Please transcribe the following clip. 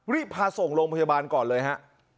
รีบพาส่งโรงพยาบาลก่อนเลยฮะ